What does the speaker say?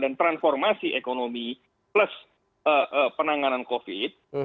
dan transformasi ekonomi plus penanganan covid